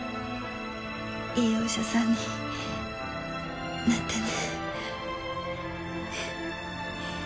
いいお医者さんになってね。